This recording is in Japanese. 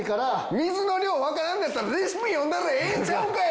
水の量わからんのやったらレシピ読んだらええんちゃうんかい！